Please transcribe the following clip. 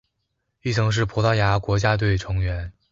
亦曾是葡萄牙国家队成员。